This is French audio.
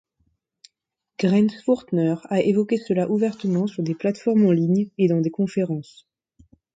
Grenzfurthner a évoqué cela ouvertement sur des plateformes en ligne et dans des conférences.